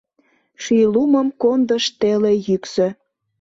Ший лумым Кондыш теле йӱксӧ.